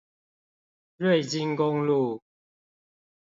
瑞金公路